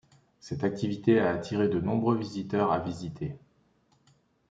Cette activité a attiré de nombreux visiteurs à visiter.